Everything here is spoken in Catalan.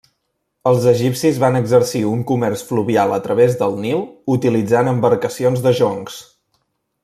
Els egipcis van exercir un comerç fluvial a través del Nil utilitzant embarcacions de joncs.